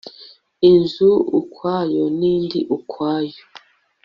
inzu ukwayo indi ukwayo